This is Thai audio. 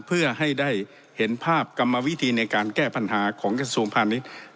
เพื่อให้ได้เห็นภาพกรรมวิธีในการแก้ปัญหาของกสมภารนี้